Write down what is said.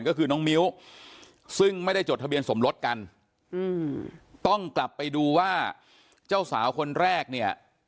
ก็คือน้องมิ้วซึ่งไม่ได้จดทะเบียนสมรสกันต้องกลับไปดูว่าเจ้าสาวคนแรกเนี่ย